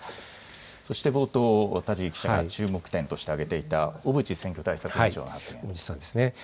そして冒頭、田尻記者が注目点として挙げていた小渕選挙対策小渕さんですね。